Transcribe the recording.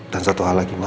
dan satu hal lagi ma